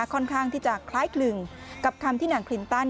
ค่อนข้างที่จะคล้ายคลึงกับคำที่นางคลินตัน